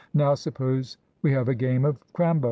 Now suppose we have a game of crambo?"